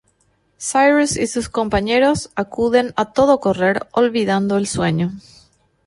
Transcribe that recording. Cyrus y sus compañeros acuden a todo correr, olvidando el sueño.